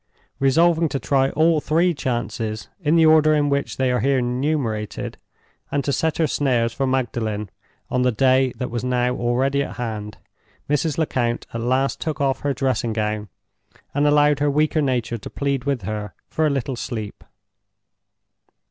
Resolving to try all three chances, in the order in which they are here enumerated, and to set her snares for Magdalen on the day that was now already at hand, Mrs. Lecount at last took off her dressing gown and allowed her weaker nature to plead with her for a little sleep.